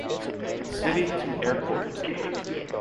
City to airport.